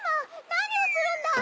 なにをするんだ！